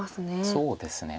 そうですね。